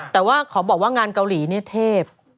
แต่ว่าขอบอกว่างานเกาหลีเนี่ยเทพ